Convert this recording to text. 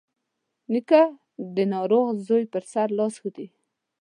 نیکه د ناروغ زوی پر سر لاس ږدي.